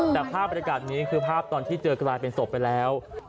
แต่ภาพบรรยากาศนี้คือภาพตอนที่เจอกลายเป็นศพไปแล้ว